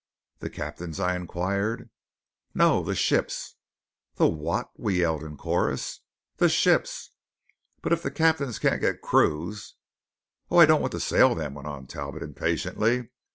"The captains?" I inquired. "No; the ships." "The what?" we yelled in chorus. "The ships." "But if the captains can't get crews " "Oh, I don't want to sail them," went on Talbot impatiently.